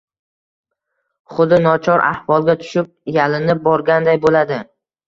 Xuddi nochor ahvolga tushib, yalinib borganday bo`ladi